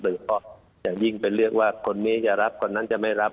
อย่างยิ่งเป็นเรื่องว่าคนนี้จะรับคนนั้นจะไม่รับ